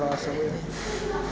lidah asap ini